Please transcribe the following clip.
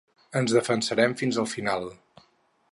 Ens defensarem fins al final.